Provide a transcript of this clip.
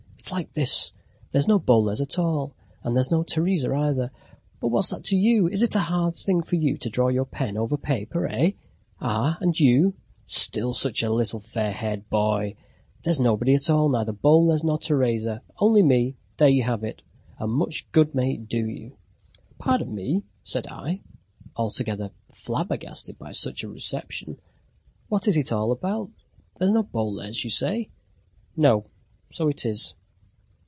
It's like this. There's no Boles at all, and there's no Teresa either. But what's that to you? Is it a hard thing for you to draw your pen over paper? Eh? Ah, and you, too! Still such a little fair haired boy! There's nobody at all, neither Boles, nor Teresa, only me. There you have it, and much good may it do you!" "Pardon me!" said I, altogether flabbergasted by such a reception, "what is it all about? There's no Boles, you say?" "No. So it is."